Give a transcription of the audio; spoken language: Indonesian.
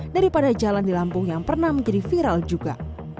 daripada jalan di lampung yang pernah menjadi viral juga